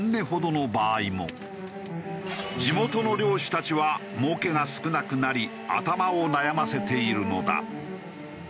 地元の漁師たちは儲けが少なくなり頭を悩ませているのだ。